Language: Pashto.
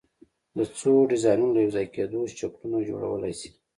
د څو ډیزاینونو له یو ځای کېدو شکلونه جوړولی شئ؟